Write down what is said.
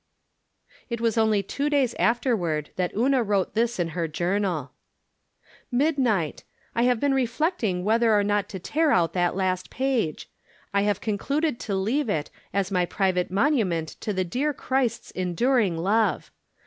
It was only two days afterward that Una wrote this in her journal : From Different Standpoints. 257 "Midniglit! I have been reflecting whether or not to tear out that last page. I have con cluded to leave it as my private monument to the dear Christ's enduring love.